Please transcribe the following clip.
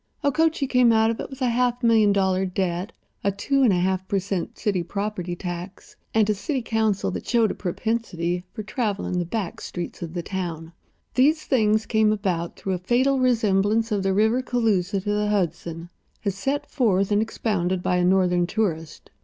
Okochee came out of it with a half million dollar debt, a two and a half per cent. city property tax, and a city council that showed a propensity for traveling the back streets of the town. These things came about through a fatal resemblance of the river Cooloosa to the Hudson, as set forth and expounded by a Northern tourist.